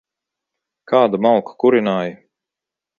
Kādu malku kurināji?